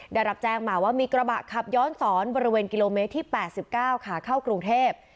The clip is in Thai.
ได้รับแจ้งมาว่ามีกระบะขับย้อนสอนบริเวณกิโลเมตรที่๘๙ขาเข้ากรุงเทพ